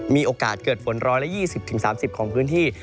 มีโอกาสเกิดฝน๑๒๐๓๐ของพื้นที่